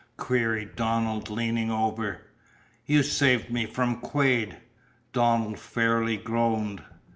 queried Donald leaning over. "You saved me from Quade." Donald fairly groaned.